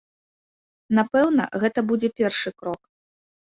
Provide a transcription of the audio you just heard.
Напэўна, гэта будзе першы крок.